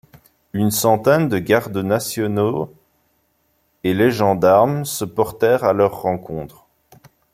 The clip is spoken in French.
Une centaine de gardes nationaux et les gendarmes se portèrent à leur rencontre.